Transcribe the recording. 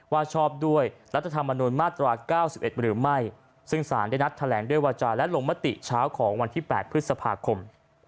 ชอบด้วยรัฐธรรมนุนมาตรา๙๑หรือไม่ซึ่งสารได้นัดแถลงด้วยวาจาและลงมติเช้าของวันที่๘พฤษภาคม